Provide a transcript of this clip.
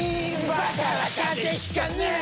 バカは風邪ひかねえ！